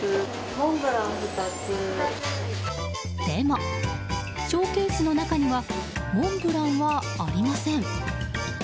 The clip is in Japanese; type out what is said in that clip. でもショーケースの中にはモンブランはありません。